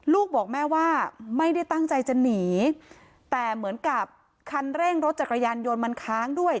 ลูกบอกแม่ว่าไม่ได้ตั้งใจจะหนีแต่เหมือนกับคันเร่งรถจักรยานยนต์มันค้างด้วย